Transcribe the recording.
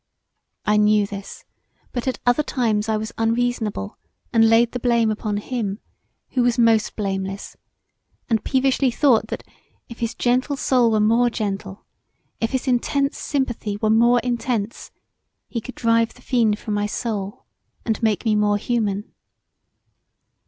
I knew this, but at other times I was unreasonable and laid the blame upon him, who was most blameless, and pevishly thought that if his gentle soul were more gentle, if his intense sympathy were more intense, he could drive the fiend from my soul and make me more human.